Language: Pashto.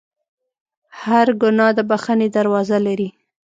هر ګناه د بخښنې دروازه لري.